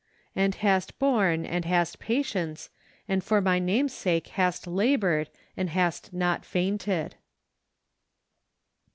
" And hast borne, and hast patience, and for my name's sake hast laboured, and hast not fainted."